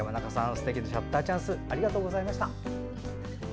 すてきなシャッターチャンスありがとうございました。